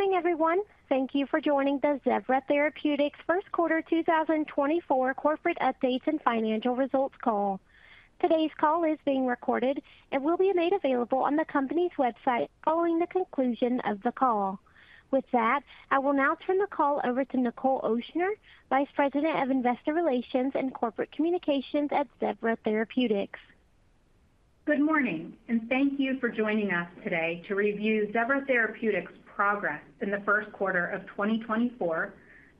Good morning, everyone. Thank you for joining the Zevra Therapeutics First Quarter 2024 Corporate Updates and Financial Results call. Today's call is being recorded and will be made available on the company's website following the conclusion of the call. With that, I will now turn the call over to Nichol Ochsner, Vice President of Investor Relations and Corporate Communications at Zevra Therapeutics. Good morning, and thank you for joining us today to review Zevra Therapeutics' progress in the first quarter of 2024,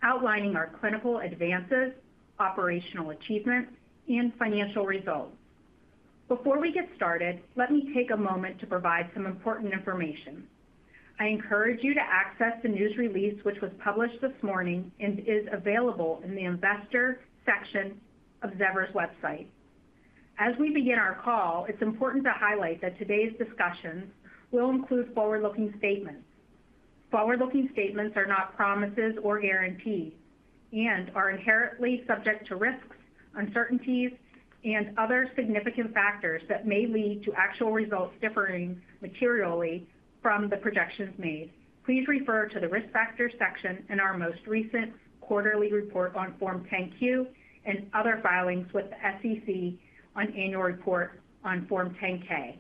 outlining our clinical advances, operational achievements, and financial results. Before we get started, let me take a moment to provide some important information. I encourage you to access the news release which was published this morning and is available in the Investor section of Zevra's website. As we begin our call, it's important to highlight that today's discussion will include forward-looking statements. Forward-looking statements are not promises or guarantees and are inherently subject to risks, uncertainties, and other significant factors that may lead to actual results differing materially from the projections made. Please refer to the Risk Factors section in our most recent quarterly report on Form 10-Q and other filings with the SEC on annual report on Form 10-K.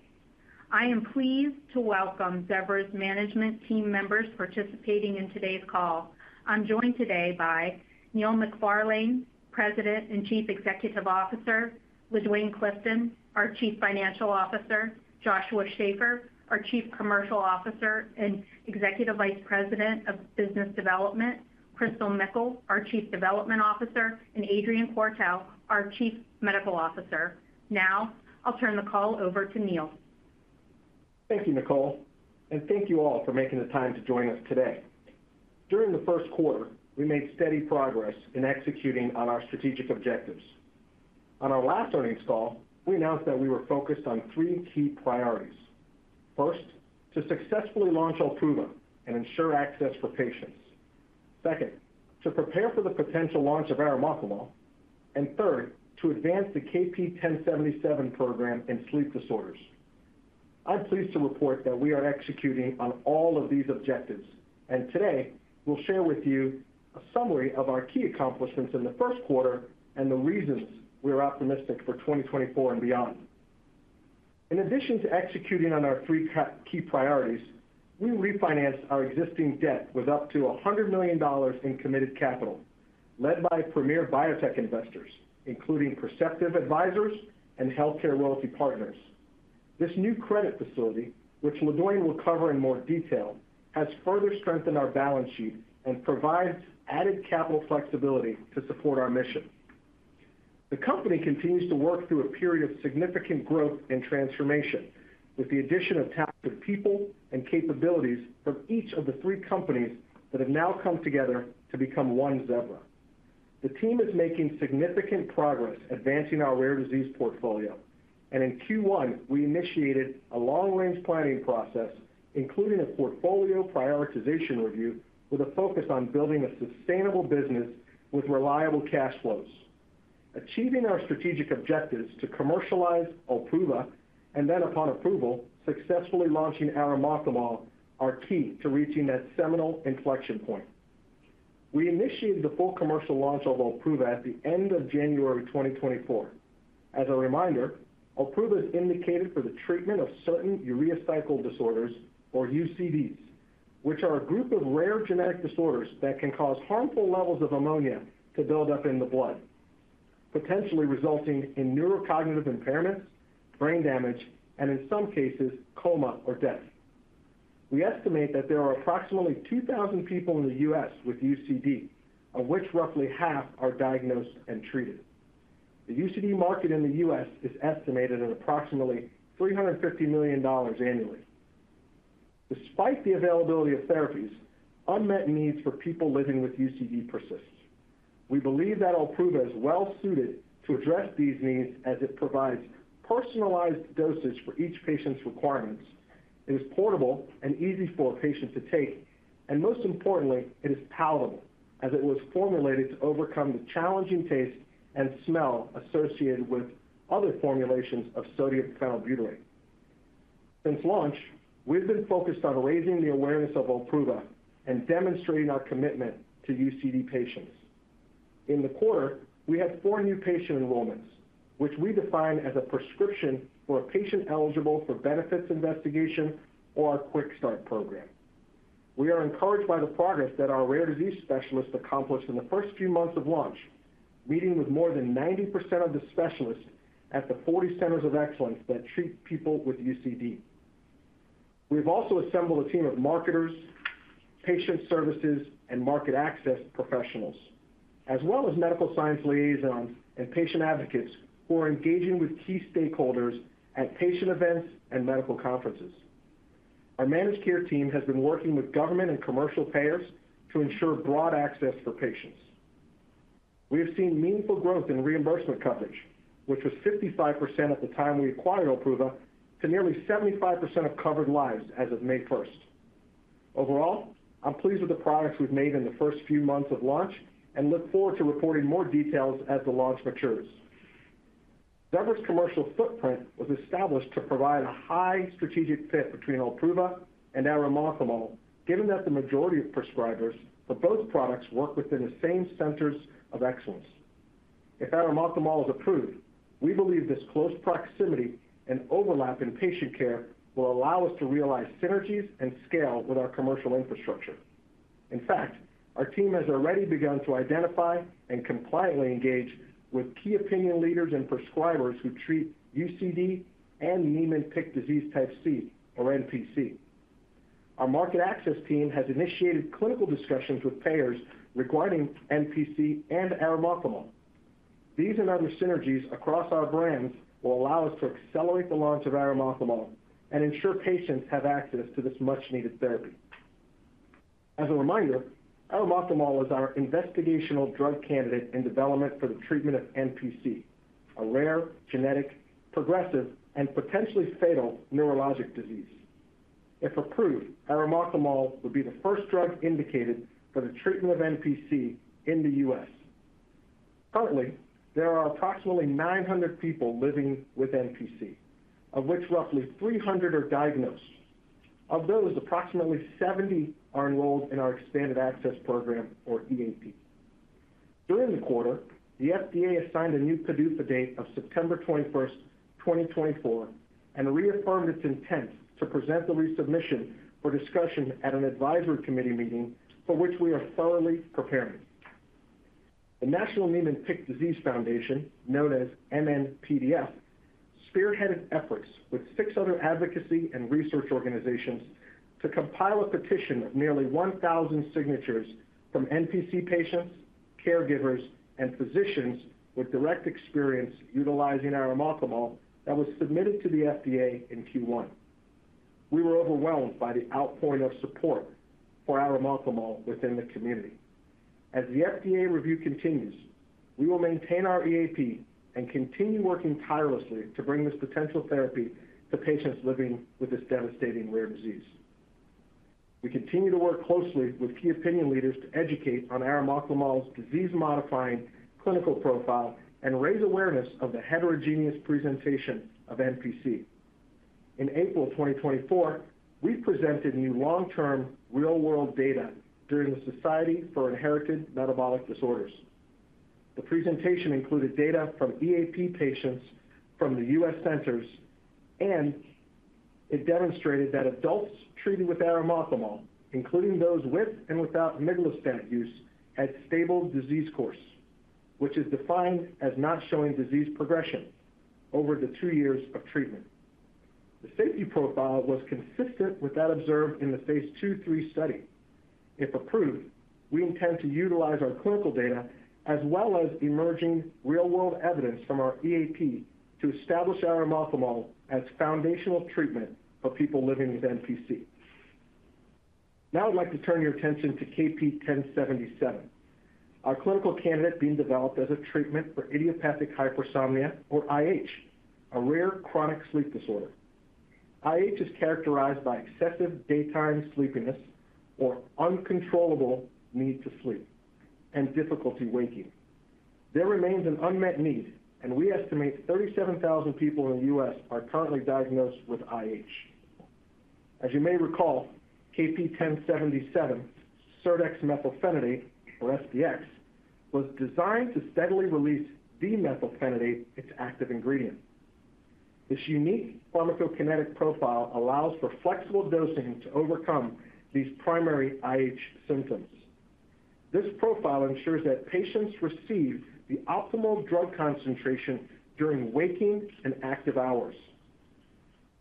I am pleased to welcome Zevra's management team members participating in today's call. I'm joined today by Neil McFarlane, President and Chief Executive Officer, LaDuane Clifton, our Chief Financial Officer, Joshua Schafer, our Chief Commercial Officer and Executive Vice President of Business Development, Christal M. Mickle, our Chief Development Officer, and Adrian Quartel, our Chief Medical Officer. Now, I'll turn the call over to Neil. Thank you, Nichol, and thank you all for making the time to join us today. During the first quarter, we made steady progress in executing on our strategic objectives. On our last earnings call, we announced that we were focused on three key priorities. First, to successfully launch Olpruva and ensure access for patients. Second, to prepare for the potential launch of arimoclomol. And third, to advance the KP1077 program in sleep disorders. I'm pleased to report that we are executing on all of these objectives, and today we'll share with you a summary of our key accomplishments in the first quarter and the reasons we're optimistic for 2024 and beyond. In addition to executing on our three key priorities, we refinanced our existing debt with up to $100 million in committed capital, led by premier biotech investors, including Perceptive Advisors and HealthCare Royalty Partners. This new credit facility, which LaDuane will cover in more detail, has further strengthened our balance sheet and provides added capital flexibility to support our mission. The company continues to work through a period of significant growth and transformation, with the addition of talented people and capabilities from each of the three companies that have now come together to become one Zevra. The team is making significant progress advancing our rare disease portfolio, and in Q1, we initiated a long-range planning process, including a portfolio prioritization review with a focus on building a sustainable business with reliable cash flows. Achieving our strategic objectives to commercialize Olpruva and then, upon approval, successfully launching arimoclomol are key to reaching that seminal inflection point. We initiated the full commercial launch of Olpruva at the end of January 2024. As a reminder, Olpruva is indicated for the treatment of certain urea cycle disorders, or UCDs, which are a group of rare genetic disorders that can cause harmful levels of ammonia to build up in the blood, potentially resulting in neurocognitive impairments, brain damage, and in some cases, coma or death. We estimate that there are approximately 2,000 people in the U.S. with UCD, of which roughly half are diagnosed and treated. The UCD market in the U.S. is estimated at approximately $350 million annually. Despite the availability of therapies, unmet needs for people living with UCD persist. We believe that Olpruva is well-suited to address these needs as it provides personalized dosage for each patient's requirements. It is portable and easy for a patient to take, and most importantly, it is palatable as it was formulated to overcome the challenging taste and smell associated with other formulations of sodium phenylbutyrate. Since launch, we've been focused on raising the awareness of Olpruva and demonstrating our commitment to UCD patients. In the quarter, we had 4 new patient enrollments, which we define as a prescription for a patient eligible for benefits investigation or our Quick Start program. We are encouraged by the progress that our rare disease specialists accomplished in the first few months of launch, meeting with more than 90% of the specialists at the 40 centers of excellence that treat people with UCD. We've also assembled a team of marketers, patient services, and market access professionals, as well as medical science liaisons and patient advocates who are engaging with key stakeholders at patient events and medical conferences. Our managed care team has been working with government and commercial payers to ensure broad access for patients. We have seen meaningful growth in reimbursement coverage, which was 55% at the time we acquired Olpruva to nearly 75% of covered lives as of May 1st. Overall, I'm pleased with the progress we've made in the first few months of launch and look forward to reporting more details as the launch matures. Zevra's commercial footprint was established to provide a high strategic fit between Olpruva and arimoclomol, given that the majority of prescribers for both products work within the same Centers of Excellence. If arimoclomol is approved, we believe this close proximity and overlap in patient care will allow us to realize synergies and scale with our commercial infrastructure. In fact, our team has already begun to identify and compliantly engage with key opinion leaders and prescribers who treat UCD and Niemann-Pick disease type C, or NPC. Our market access team has initiated clinical discussions with payers regarding NPC and arimoclomol. These and other synergies across our brands will allow us to accelerate the launch of arimoclomol and ensure patients have access to this much-needed therapy. As a reminder, arimoclomol is our investigational drug candidate in development for the treatment of NPC, a rare genetic, progressive, and potentially fatal neurologic disease. If approved, arimoclomol would be the first drug indicated for the treatment of NPC in the U.S. Currently, there are approximately 900 people living with NPC, of which roughly 300 are diagnosed. Of those, approximately 70 are enrolled in our expanded access program, or EAP. During the quarter, the FDA assigned a new PDUFA date of September 21st, 2024, and reaffirmed its intent to present the resubmission for discussion at an advisory committee meeting for which we are thoroughly preparing. The National Niemann-Pick Disease Foundation, known as NNPDF, spearheaded efforts with six other advocacy and research organizations to compile a petition of nearly 1,000 signatures from NPC patients, caregivers, and physicians with direct experience utilizing arimoclomol that was submitted to the FDA in Q1. We were overwhelmed by the outpouring of support for arimoclomol within the community. As the FDA review continues, we will maintain our EAP and continue working tirelessly to bring this potential therapy to patients living with this devastating rare disease. We continue to work closely with key opinion leaders to educate on arimoclomol's disease-modifying clinical profile and raise awareness of the heterogeneous presentation of NPC. In April 2024, we presented new long-term real-world data during the Society for Inherited Metabolic Disorders. The presentation included data from EAP patients from the U.S. centers, and it demonstrated that adults treated with arimoclomol, including those with and without miglustat use, had stable disease course, which is defined as not showing disease progression over the two years of treatment. The safety profile was consistent with that observed in the phase II/III study. If approved, we intend to utilize our clinical data as well as emerging real-world evidence from our EAP to establish arimoclomol as foundational treatment for people living with NPC. Now I'd like to turn your attention to KP1077, our clinical candidate being developed as a treatment for idiopathic hypersomnia, or IH, a rare chronic sleep disorder. IH is characterized by excessive daytime sleepiness, or uncontrollable need to sleep, and difficulty waking. There remains an unmet need, and we estimate 37,000 people in the U.S. are currently diagnosed with IH. As you may recall, KP1077, serdexmethylphenidate, or SDX, was designed to steadily release d-methylphenidate, its active ingredient. This unique pharmacokinetic profile allows for flexible dosing to overcome these primary IH symptoms. This profile ensures that patients receive the optimal drug concentration during waking and active hours.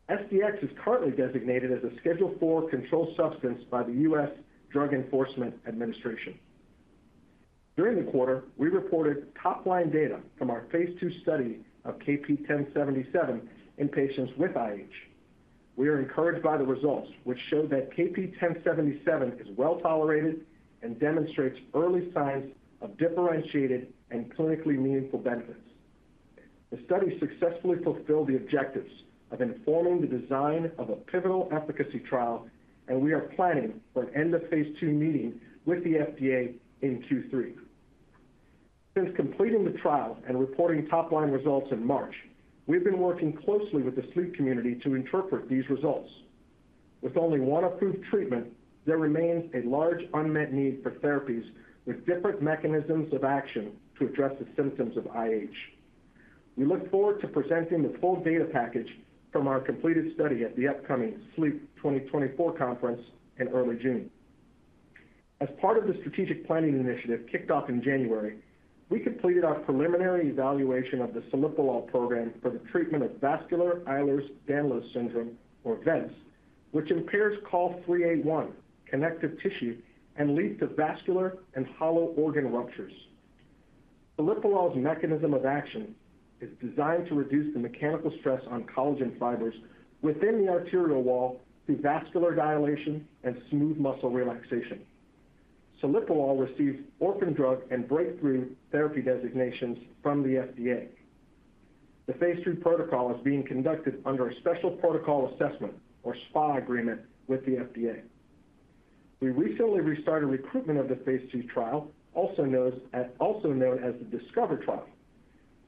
SDX is currently designated as a Schedule IV controlled substance by the U.S. Drug Enforcement Administration. During the quarter, we reported top-line data from our phase II study of KP1077 in patients with IH. We are encouraged by the results, which showed that KP1077 is well-tolerated and demonstrates early signs of differentiated and clinically meaningful benefits. The study successfully fulfilled the objectives of informing the design of a pivotal efficacy trial, and we are planning for an end-of-phase II meeting with the FDA in Q3. Since completing the trial and reporting top-line results in March, we've been working closely with the sleep community to interpret these results. With only one approved treatment, there remains a large unmet need for therapies with different mechanisms of action to address the symptoms of IH. We look forward to presenting the full data package from our completed study at the upcoming Sleep 2024 conference in early June. As part of the strategic planning initiative kicked off in January, we completed our preliminary evaluation of the celiprolol program for the treatment of vascular Ehlers-Danlos syndrome, or VEDS, which impairs COL3A1 connective tissue and leads to vascular and hollow organ ruptures. Celiprolol's mechanism of action is designed to reduce the mechanical stress on collagen fibers within the arterial wall through vascular dilation and smooth muscle relaxation. Celiprolol receives orphan drug and breakthrough therapy designations from the FDA. The phase III protocol is being conducted under a special protocol assessment, or SPA agreement, with the FDA. We recently restarted recruitment of the phase II trial, also known as the Discover trial,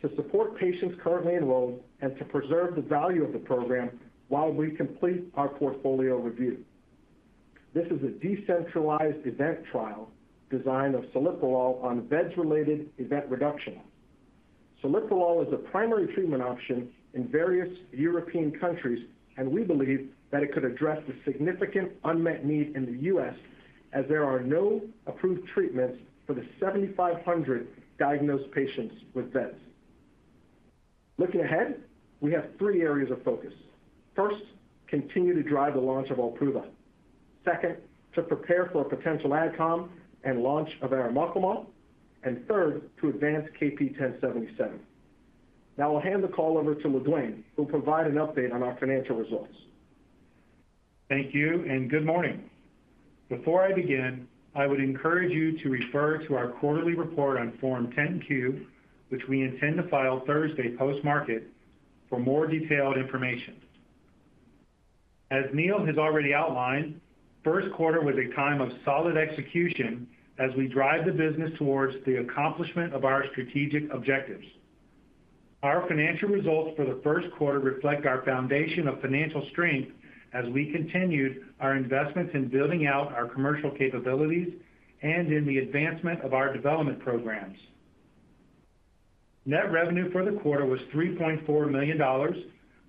to support patients currently enrolled and to preserve the value of the program while we complete our portfolio review. This is a decentralized event trial design of celiprolol on VEDS-related event reduction. Celiprolol is a primary treatment option in various European countries, and we believe that it could address the significant unmet need in the US as there are no approved treatments for the 7,500 diagnosed patients with VEDS. Looking ahead, we have three areas of focus. First, continue to drive the launch of Olpruva. Second, to prepare for a potential adcom and launch of arimoclomol. Third, to advance KP1077. Now I'll hand the call over to LaDuane, who will provide an update on our financial results. Thank you, and good morning. Before I begin, I would encourage you to refer to our quarterly report on Form 10-Q, which we intend to file Thursday post-market for more detailed information. As Neil has already outlined, first quarter was a time of solid execution as we drive the business towards the accomplishment of our strategic objectives. Our financial results for the first quarter reflect our foundation of financial strength as we continued our investments in building out our commercial capabilities and in the advancement of our development programs. Net revenue for the quarter was $3.4 million,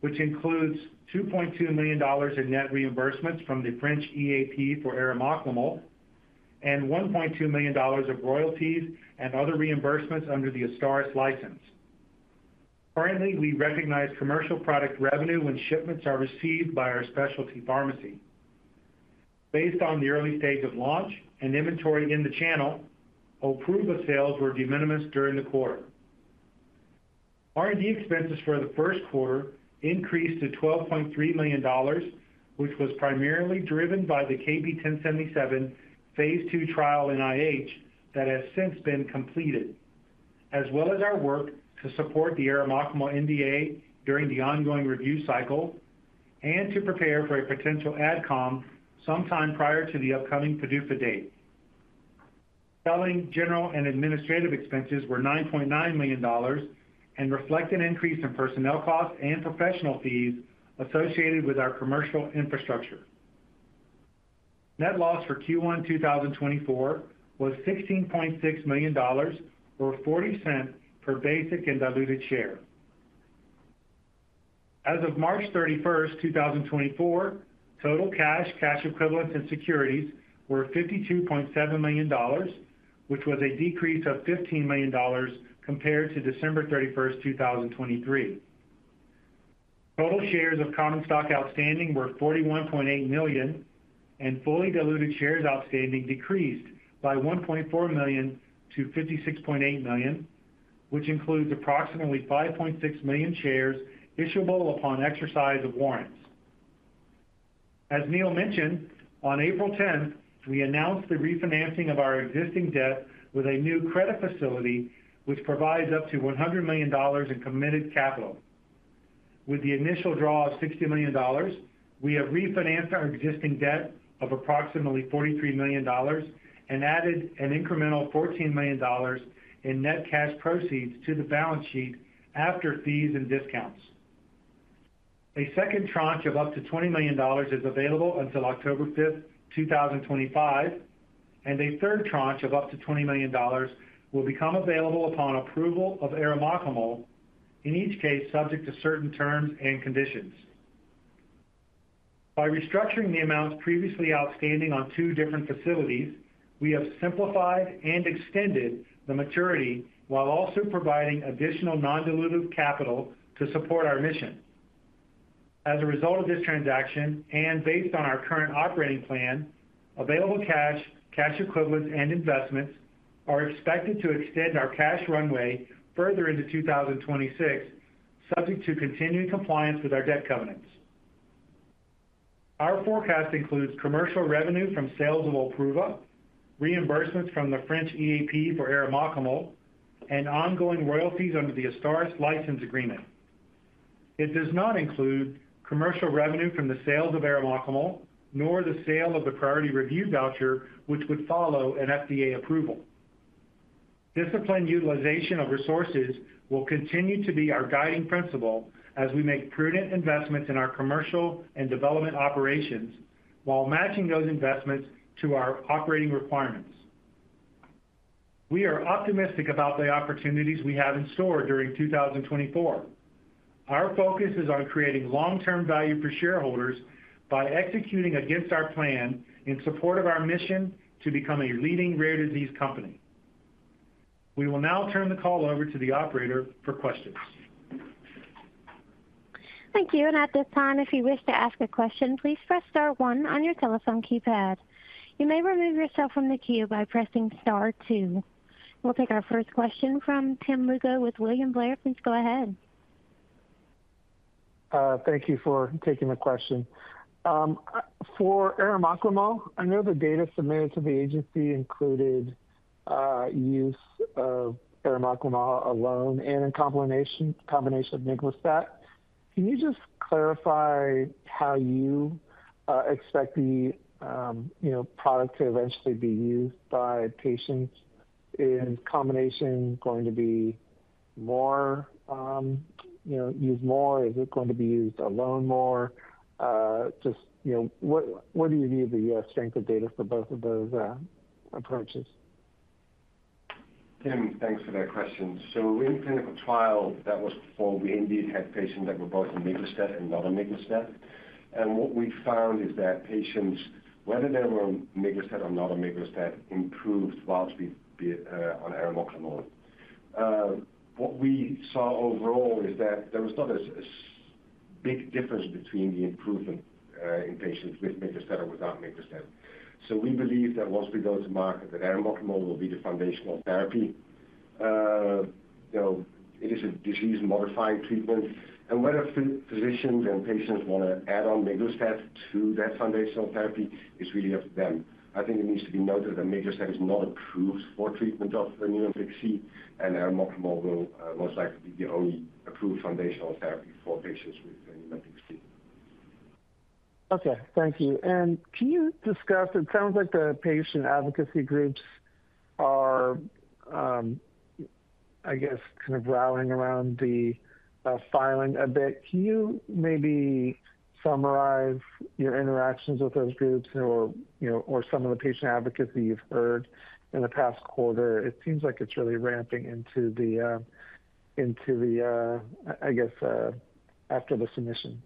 which includes $2.2 million in net reimbursements from the French EAP for arimoclomol and $1.2 million of royalties and other reimbursements under the Azstarys license. Currently, we recognize commercial product revenue when shipments are received by our specialty pharmacy. Based on the early stage of launch and inventory in the channel, Olpruva sales were de minimis during the quarter. R&D expenses for the first quarter increased to $12.3 million, which was primarily driven by the KP1077 phase II trial in IH that has since been completed, as well as our work to support the arimoclomol NDA during the ongoing review cycle and to prepare for a potential adcom sometime prior to the upcoming PDUFA date. Selling, general, and administrative expenses were $9.9 million and reflect an increase in personnel costs and professional fees associated with our commercial infrastructure. Net loss for Q1 2024 was $16.6 million, or $0.40, per basic and diluted share. As of March 31st, 2024, total cash, cash equivalents, and securities were $52.7 million, which was a decrease of $15 million compared to December 31st, 2023. Total shares of common stock outstanding were $41.8 million, and fully diluted shares outstanding decreased by $1.4 million to $56.8 million, which includes approximately 5.6 million shares issuable upon exercise of warrants. As Neil mentioned, on April 10th, we announced the refinancing of our existing debt with a new credit facility, which provides up to $100 million in committed capital. With the initial draw of $60 million, we have refinanced our existing debt of approximately $43 million and added an incremental $14 million in net cash proceeds to the balance sheet after fees and discounts. A second tranche of up to $20 million is available until October 5th, 2025, and a third tranche of up to $20 million will become available upon approval of arimoclomol, in each case subject to certain terms and conditions. By restructuring the amounts previously outstanding on two different facilities, we have simplified and extended the maturity while also providing additional non-dilutive capital to support our mission. As a result of this transaction and based on our current operating plan, available cash, cash equivalents, and investments are expected to extend our cash runway further into 2026, subject to continued compliance with our debt covenants. Our forecast includes commercial revenue from sales of Olpruva, reimbursements from the French EAP for arimoclomol, and ongoing royalties under the Azstarys license agreement. It does not include commercial revenue from the sales of arimoclomol nor the sale of the priority review voucher, which would follow an FDA approval. Disciplined utilization of resources will continue to be our guiding principle as we make prudent investments in our commercial and development operations while matching those investments to our operating requirements. We are optimistic about the opportunities we have in store during 2024. Our focus is on creating long-term value for shareholders by executing against our plan in support of our mission to become a leading rare disease company. We will now turn the call over to the operator for questions. Thank you. And at this time, if you wish to ask a question, please press Star 1 on your telephone keypad. You may remove yourself from the queue by pressing Star 2. We'll take our first question from Tim Lugo with William Blair. Please go ahead. Thank you for taking the question. For arimoclomol, I know the data submitted to the agency included use of arimoclomol alone and in combination with miglustat. Can you just clarify how you expect the product to eventually be used by patients? Is combination going to be more used more? Is it going to be used alone more? What do you view the strength of data for both of those approaches? Tim, thanks for that question. So in clinical trials that was before, we indeed had patients that were both on miglustat and not on miglustat. And what we found is that patients, whether they were on miglustat or not on miglustat, improved largely on arimoclomol. What we saw overall is that there was not a big difference between the improvement in patients with miglustat or without miglustat. So we believe that once we go to market, that arimoclomol will be the foundational therapy. It is a disease-modifying treatment. And whether physicians and patients want to add on miglustat to that foundational therapy is really up to them. I think it needs to be noted that miglustat is not approved for treatment of Niemann-Pick C, and arimoclomol will most likely be the only approved foundational therapy for patients with Niemann-Pick C. Okay. Thank you. And can you discuss? It sounds like the patient advocacy groups are, I guess, kind of rallying around the filing a bit. Can you maybe summarize your interactions with those groups or some of the patient advocacy you've heard in the past quarter? It seems like it's really ramping into the, I guess, after the submission.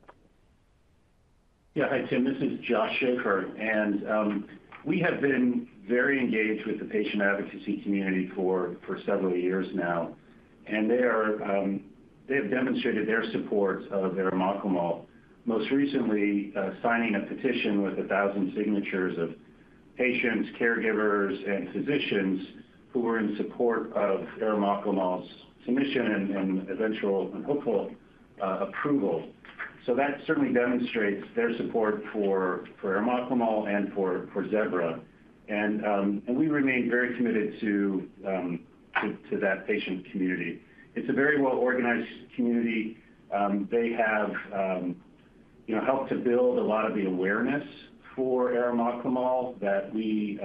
Yeah. Hi, Tim. This is Josh Schafer. We have been very engaged with the patient advocacy community for several years now, and they have demonstrated their support of arimoclomol, most recently signing a petition with 1,000 signatures of patients, caregivers, and physicians who were in support of arimoclomol's submission and eventual and hopeful approval. So that certainly demonstrates their support for arimoclomol and for Zevra. We remain very committed to that patient community. It's a very well-organized community. They have helped to build a lot of the awareness for arimoclomol that we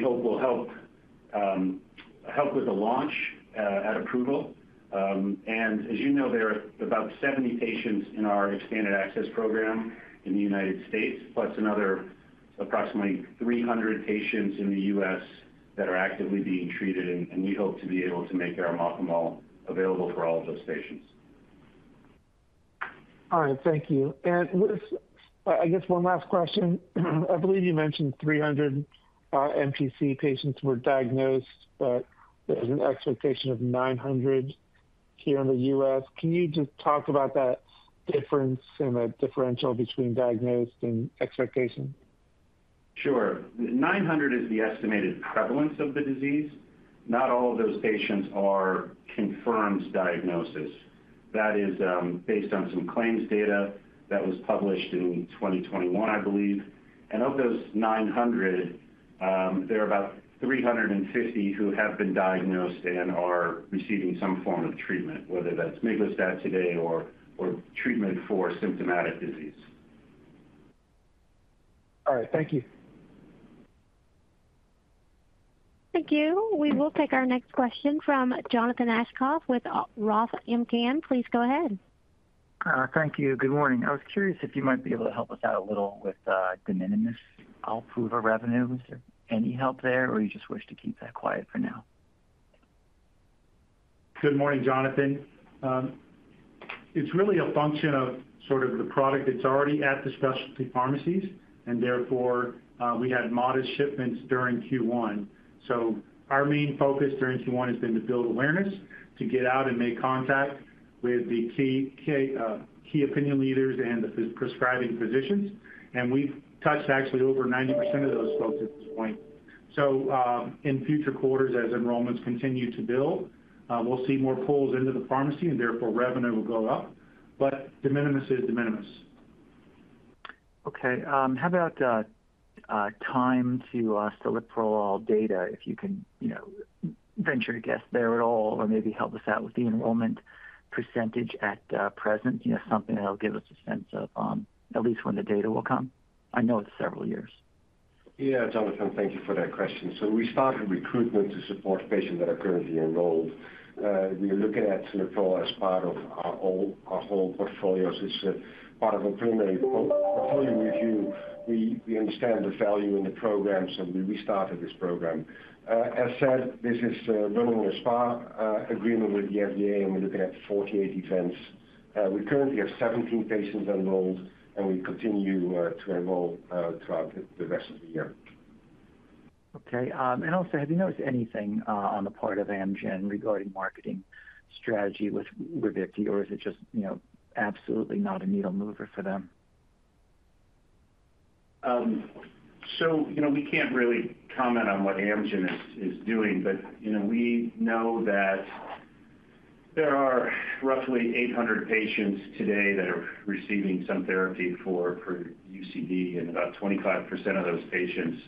hope will help with the launch at approval. As you know, there are about 70 patients in our Expanded Access Program in the United States, plus another approximately 300 patients in the US that are actively being treated. We hope to be able to make arimoclomol available for all of those patients. All right. Thank you. I guess one last question. I believe you mentioned 300 NPC patients were diagnosed, but there's an expectation of 900 here in the U.S. Can you just talk about that difference and the differential between diagnosed and expectation? Sure. 900 is the estimated prevalence of the disease. Not all of those patients are confirmed diagnosis. That is based on some claims data that was published in 2021, I believe. Of those 900, there are about 350 who have been diagnosed and are receiving some form of treatment, whether that's miglustat today or treatment for symptomatic disease. All right. Thank you. Thank you. We will take our next question from Jonathan Aschoff with Roth MKM. Please go ahead. Thank you. Good morning. I was curious if you might be able to help us out a little with de minimis Olpruva revenue. Was there any help there, or you just wish to keep that quiet for now? Good morning, Jonathan. It's really a function of sort of the product that's already at the specialty pharmacies, and therefore we had modest shipments during Q1. Our main focus during Q1 has been to build awareness, to get out and make contact with the key opinion leaders and the prescribing physicians. We've touched actually over 90% of those folks at this point. So in future quarters, as enrollments continue to build, we'll see more pulls into the pharmacy, and therefore revenue will go up. But de minimis is de minimis. Okay. How about timeline to celiprolol data, if you can venture a guess there at all or maybe help us out with the enrollment percentage at present? Something that'll give us a sense of at least when the data will come. I know it's several years. Yeah, Jonathan, thank you for that question. So we started recruitment to support patients that are currently enrolled. We are looking at celiprolol as part of our whole portfolios. It's part of a preliminary portfolio review. We understand the value in the program, so we restarted this program. As said, this is running in a SPA agreement with the FDA, and we're looking at 48 events. We currently have 17 patients enrolled, and we continue to enroll throughout the rest of the year. Okay. And also, have you noticed anything on the part of Amgen regarding marketing strategy with Ravicti, or is it just absolutely not a needle mover for them? We can't really comment on what Amgen is doing, but we know that there are roughly 800 patients today that are receiving some therapy for UCD, and about 25% of those patients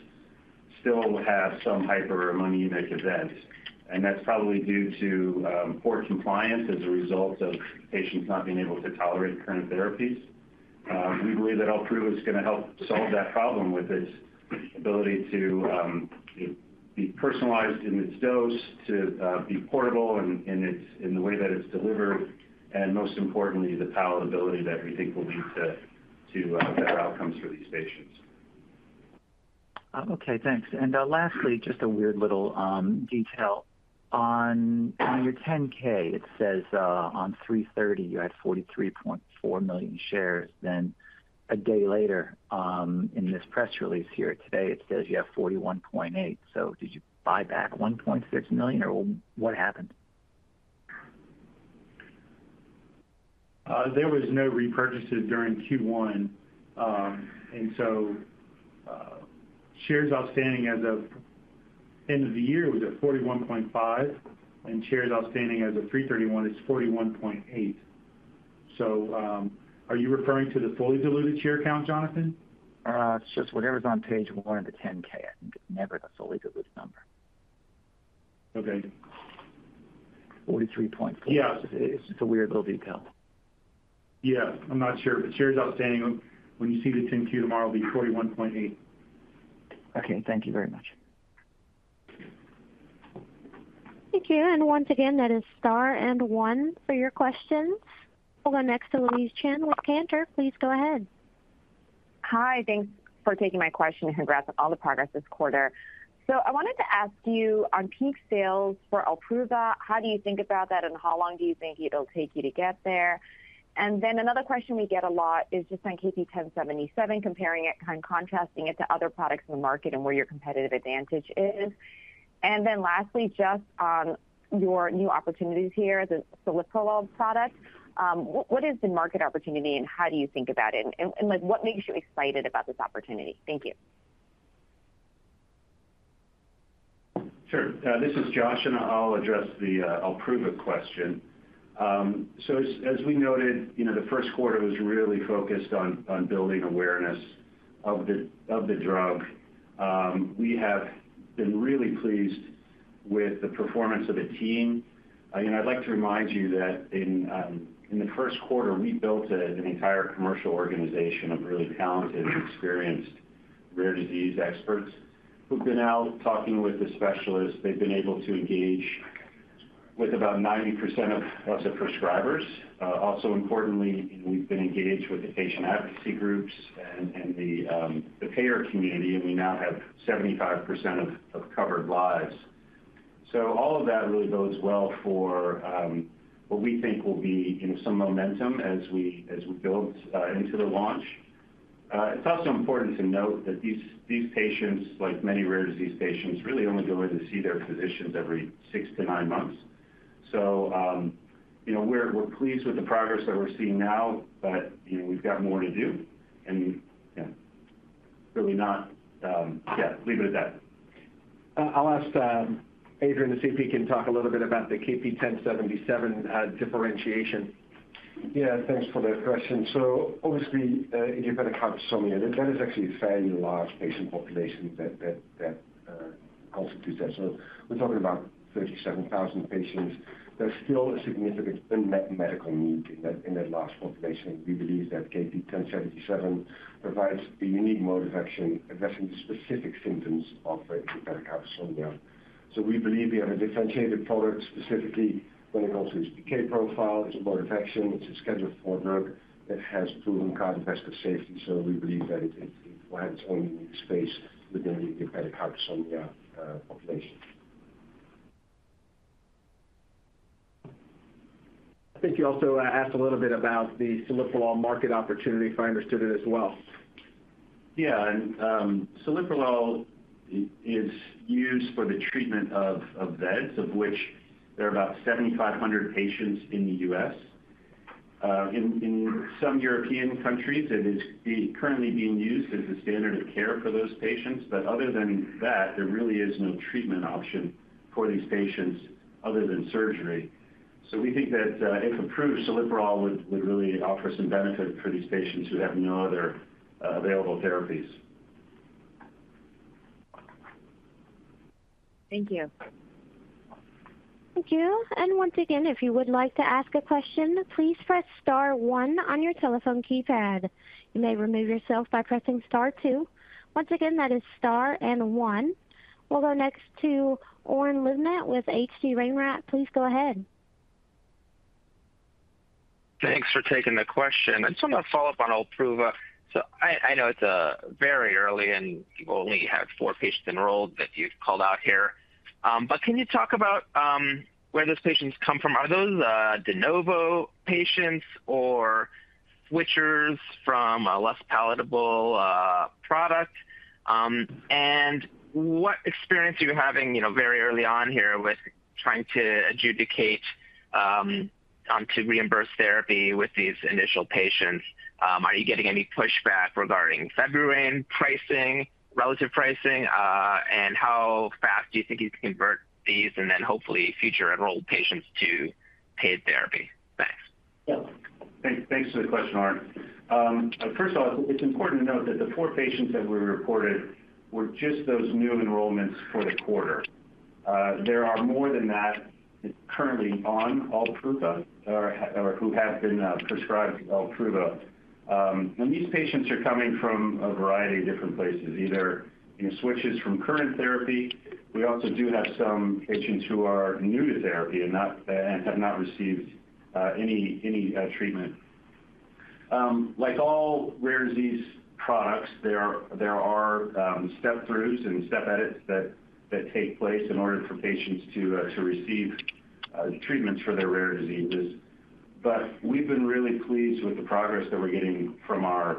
still have some hyperammonemic event. And that's probably due to poor compliance as a result of patients not being able to tolerate current therapies. We believe that Olpruva is going to help solve that problem with its ability to be personalized in its dose, to be portable in the way that it's delivered, and most importantly, the palatability that we think will lead to better outcomes for these patients. Okay. Thanks. And lastly, just a weird little detail. On your 10-K, it says on 03/30, you had 43.4 million shares. Then a day later in this press release here today, it says you have 41.8. So did you buy back 1.6 million, or what happened? There was no repurchases during Q1. So shares outstanding as of end of the year was at 41.5, and shares outstanding as of 3/31 is 41.8. So are you referring to the fully diluted share count, Jonathan? It's just whatever's on page one of the 10-K. Never the fully diluted number. Okay. 43.4. It's just a weird little detail. Yeah. I'm not sure. But shares outstanding, when you see the 10-Q tomorrow, it'll be 41.8. Okay. Thank you very much. Thank you. Once again, that is star one for your questions. We'll go next to Louise Chen with Cantor. Please go ahead. Hi. Thanks for taking my question, and congrats on all the progress this quarter. So I wanted to ask you, on peak sales for Olpruva, how do you think about that, and how long do you think it'll take you to get there? And then another question we get a lot is just on KP1077, comparing it and contrasting it to other products in the market and where your competitive advantage is. And then lastly, just on your new opportunities here as a celiprolol product, what is the market opportunity, and how do you think about it? And what makes you excited about this opportunity? Thank you. Sure. This is Josh, and I'll address the Olpruva question. So as we noted, the first quarter was really focused on building awareness of the drug. We have been really pleased with the performance of the team. I'd like to remind you that in the first quarter, we built an entire commercial organization of really talented and experienced rare disease experts who've been out talking with the specialists. They've been able to engage with about 90% of the prescribers. Also importantly, we've been engaged with the patient advocacy groups and the payer community, and we now have 75% of covered lives. So all of that really bodes well for what we think will be some momentum as we build into the launch. It's also important to note that these patients, like many rare disease patients, really only go in to see their physicians every six to nine months. So we're pleased with the progress that we're seeing now, but we've got more to do. And leave it at that. I'll ask Adrian to see if he can talk a little bit about the KP1077 differentiation. Yeah. Thanks for that question. So obviously, idiopathic hypersomnia, that is actually a fairly large patient population that constitutes that. So we're talking about 37,000 patients. There's still a significant unmet medical need in that large population. We believe that KP1077 provides a unique mode of action addressing the specific symptoms of idiopathic hypersomnia. So we believe we have a differentiated product specifically when it comes to its PK profile. It's a mode of action. It's a Schedule IV drug that has proven cardiovascular safety. So we believe that it will have its own unique space within the idiopathic hypersomnia population. I think you also asked a little bit about the Celiprolol market opportunity, if I understood it as well. Yeah. Celiprolol is used for the treatment of VEDS, of which there are about 7,500 patients in the U.S. In some European countries, it is currently being used as the standard of care for those patients. But other than that, there really is no treatment option for these patients other than surgery. So we think that if approved, celiprolol would really offer some benefit for these patients who have no other available therapies. Thank you. Thank you. And once again, if you would like to ask a question, please press Star 1 on your telephone keypad. You may remove yourself by pressing Star 2. Once again, that is Star and 1. We'll go next to Oren Livnat with H.C. Wainwright. Please go ahead. Thanks for taking the question. I just want to follow up on Olpruva. I know it's very early, and you've only had four patients enrolled that you've called out here. Can you talk about where those patients come from? Are those de novo patients or switchers from a less palatable product? What experience are you having very early on here with trying to adjudicate on to reimburse therapy with these initial patients? Are you getting any pushback regarding February pricing, relative pricing, and how fast do you think you can convert these and then hopefully future enrolled patients to paid therapy? Thanks. Yeah. Thanks for the question, Oren. First of all, it's important to note that the four patients that were reported were just those new enrollments for the quarter. There are more than that currently on Olpruva or who have been prescribed Olpruva. And these patients are coming from a variety of different places, either switches from current therapy. We also do have some patients who are new to therapy and have not received any treatment. Like all rare disease products, there are step-throughs and step-edits that take place in order for patients to receive treatments for their rare diseases. But we've been really pleased with the progress that we're getting from our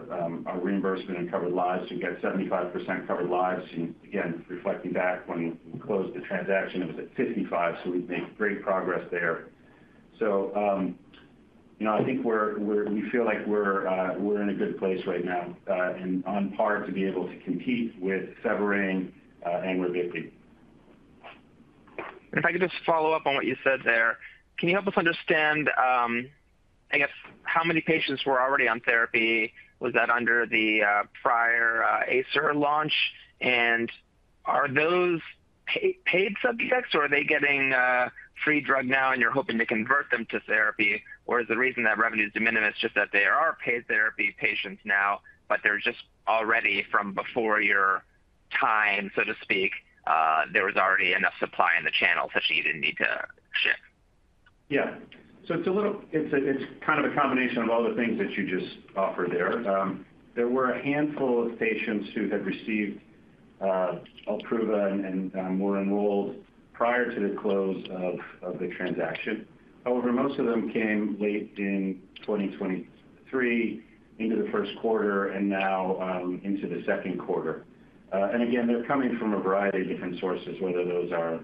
reimbursement and covered lives. We've got 75% covered lives. And again, reflecting back when we closed the transaction, it was at 55. So we've made great progress there. I think we feel like we're in a good place right now and on par to be able to compete with Pheburane and Ravicti. And if I could just follow up on what you said there, can you help us understand, I guess, how many patients were already on therapy? Was that under the prior Acer launch? And are those paid subjects, or are they getting free drug now, and you're hoping to convert them to therapy? Or is the reason that revenue is de minimis just that they are paid therapy patients now, but they're just already from before your time, so to speak? There was already enough supply in the channel, such that you didn't need to ship. Yeah. So it's kind of a combination of all the things that you just offered there. There were a handful of patients who had received Olpruva and were enrolled prior to the close of the transaction. However, most of them came late in 2023 into the first quarter and now into the second quarter. And again, they're coming from a variety of different sources, whether those are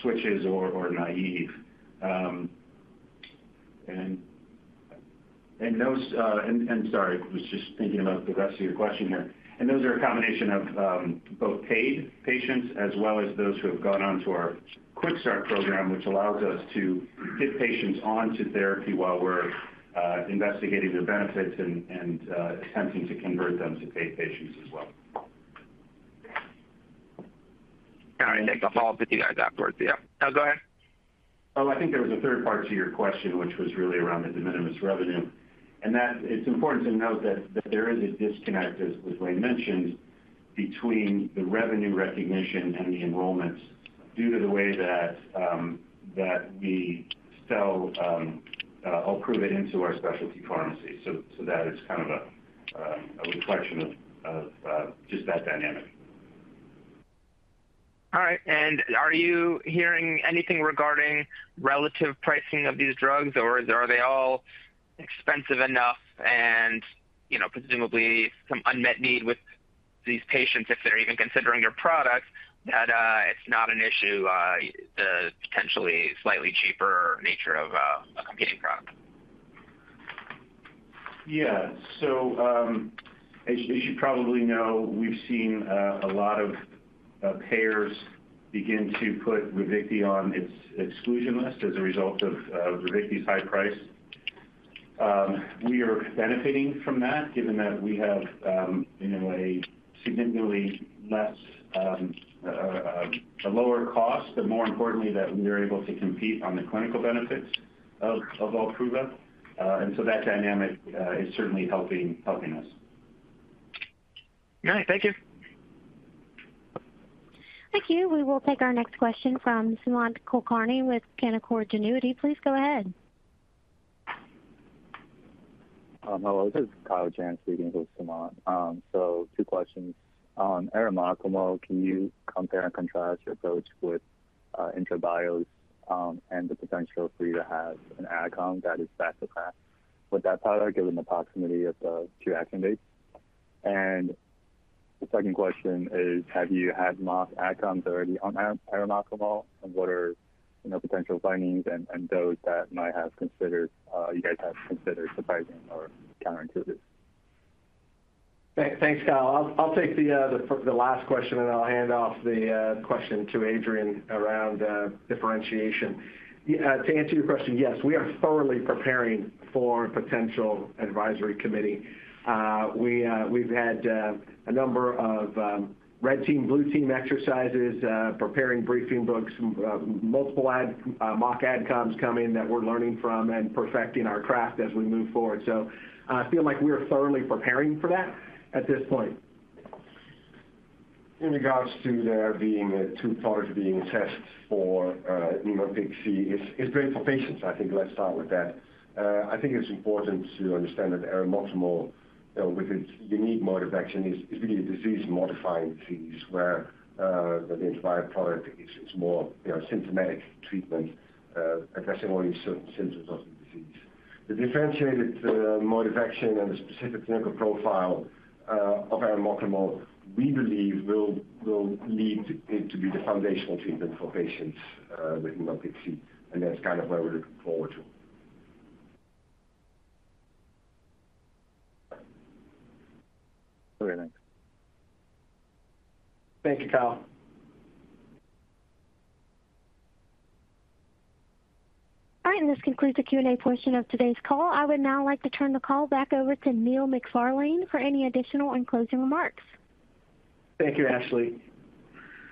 switches or naive. And sorry, I was just thinking about the rest of your question here. And those are a combination of both paid patients as well as those who have gone on to our Quick Start program, which allows us to get patients onto therapy while we're investigating their benefits and attempting to convert them to paid patients as well. Sorry, I had to pause with you guys afterwards. Yeah. No, go ahead. Oh, I think there was a third part to your question, which was really around the de minimis revenue. It's important to note that there is a disconnect, as LaDuane mentioned, between the revenue recognition and the enrollments due to the way that we sell Olpruva into our specialty pharmacies. So that is kind of a reflection of just that dynamic. All right. And are you hearing anything regarding relative pricing of these drugs, or are they all expensive enough and presumably some unmet need with these patients, if they're even considering your product, that it's not an issue, the potentially slightly cheaper nature of a competing product? Yeah. So as you probably know, we've seen a lot of payers begin to put Ravicti on its exclusion list as a result of Ravicti's high price. We are benefiting from that given that we have a significantly lower cost, but more importantly, that we are able to compete on the clinical benefits of Olpruva. And so that dynamic is certainly helping us. All right. Thank you. Thank you. We will take our next question from Sumant Kulkarni with Canaccord Genuity. Please go ahead. Hello. This is Kyle Chan speaking with Sumant. Two questions. On arimoclomol, can you compare and contrast your approach with IntraBio's and the potential for you to have an Adcom that is back-to-back with that product given the proximity of the two action dates? And the second question is, have you had mock Adcoms already on arimoclomol, and what are potential findings and those that might have considered you guys have considered surprising or counterintuitive? Thanks, Kyle. I'll take the last question, and I'll hand off the question to Adrian around differentiation. To answer your question, yes, we are thoroughly preparing for a potential advisory committee. We've had a number of red team, blue team exercises, preparing briefing books, multiple mock Adcoms coming that we're learning from and perfecting our craft as we move forward. So I feel like we're thoroughly preparing for that at this point. In regards to there being two products being tested for Niemann-Pick disease, it's great for patients. I think let's start with that. I think it's important to understand that arimoclomol, with its unique mode of action, is really a disease-modifying disease where the entire product is more symptomatic treatment addressing only certain symptoms of the disease. The differentiated mode of action and the specific clinical profile of arimoclomol, we believe, will lead it to be the foundational treatment for patients with Niemann-Pick disease. That's kind of what we're looking forward to. All right. Thanks. Thank you, Kyle. All right. And this concludes the Q&A portion of today's call. I would now like to turn the call back over to Neil McFarlane for any additional and closing remarks. Thank you, Ashley.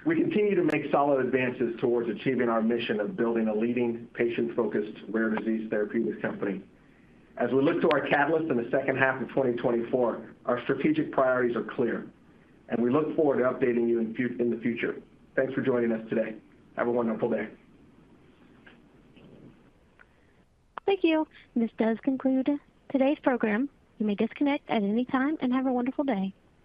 We continue to make solid advances towards achieving our mission of building a leading, patient-focused rare disease therapeutic company. As we look to our catalyst in the second half of 2024, our strategic priorities are clear, and we look forward to updating you in the future. Thanks for joining us today. Have a wonderful day. Thank you. And this does conclude today's program. You may disconnect at any time and have a wonderful day.